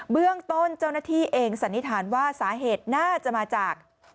เบื้องต้นเจ้าหน้าที่เองสันนิษฐานว่าสาเหตุน่าจะมาจาก